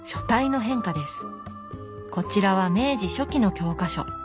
こちらは明治初期の教科書。